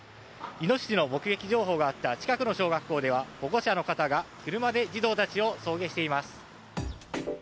イノシシの目撃情報があった近くの小学校では保護者の方が車で児童を送迎しています。